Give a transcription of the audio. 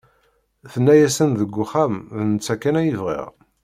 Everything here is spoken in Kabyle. Tenna-yasen deg uxxam d netta kan ay bɣiɣ.